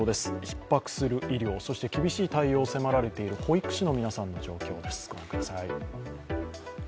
ひっ迫する医療、そして厳しい対応を迫られている保育士の皆さんの状況です。